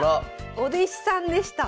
お弟子さんでした。